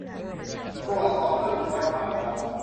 ตรวจสอบเครื่องมือวัดความร้อน